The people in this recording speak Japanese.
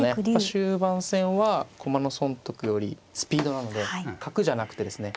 終盤戦は駒の損得よりスピードなので角じゃなくてですね